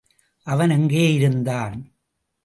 அவன் எங்கே இருந்தான்?